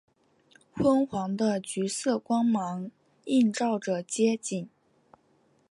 昏黄的橘色光芒映照着街景